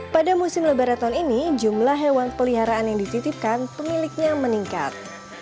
pada musim lebaran tahun ini jumlah hewan peliharaan yang dititipkan pemiliknya meningkat